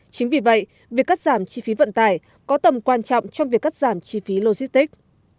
chính vì vậy việc cắt giảm chi phí vận tải có tầm quan trọng trong việc cắt giảm chi phí logistics